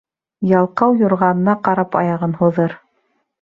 Ялҡау юрғанына ҡарап аяғын һуҙыр.